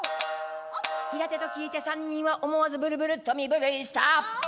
平手と聞いて三人は思わずぶるぶるっと身震いした。